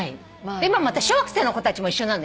今また小学生の子たちも一緒なのよ。